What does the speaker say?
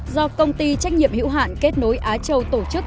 do công ty trách nhiệm hữu hạn kết nối á châu tổ chức